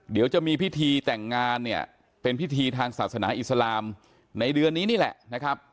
เดี๋ยวจะมีพิธีแต่งงานเนี่ยเป็นพิธีทางศาสนาอิสลามในเดือนนี้นี่แหละนะครับ